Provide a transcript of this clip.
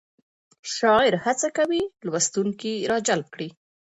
شاعر هڅه کوي لوستونکی راجلب کړي.